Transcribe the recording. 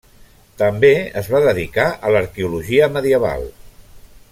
També es va dedicar a l'arqueologia medieval.